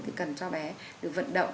thì cần cho bé được vận động